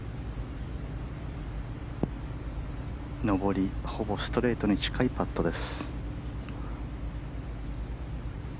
上りほぼストレートに近いパットです。